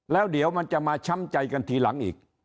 แล้วเดี๋ยวมันจะมาช้ำใจกันทีหลังอีก